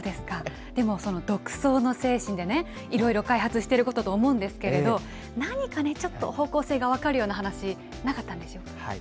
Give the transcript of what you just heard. その独創の精神でいろいろ開発していると思うんですが何か方向性が分かるような話はなかったんですか。